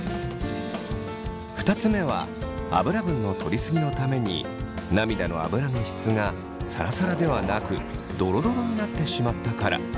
２つ目は脂分の取り過ぎのために涙のアブラの質がサラサラではなくドロドロになってしまったから。